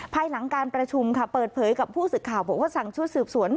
ภายหลังการประชุมค่ะเปิดเผยกับผู้สื่อข่าวบอกว่าสั่งชุดสืบสวน